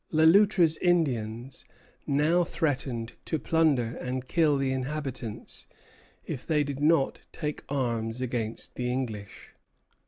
Le Loutre's Indians now threatened to plunder and kill the inhabitants if they did not take arms against the English.